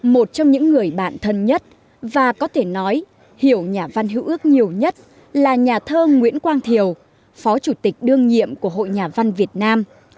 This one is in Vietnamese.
một trong những người bạn thân nhất và có thể nói hiểu nhà văn hữu ước nhiều nhất là nhà thơ nguyễn quang thiều phó chủ tịch đương nhiệm của hội nhà văn việt nam